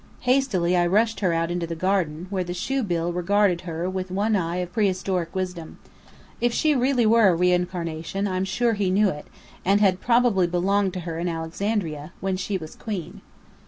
Hastily I rushed her out into the garden, where the Shoebill regarded her with one eye of prehistoric wisdom. If she really were a reincarnation, I'm sure he knew it: and had probably belonged to her in Alexandria, when she was Queen.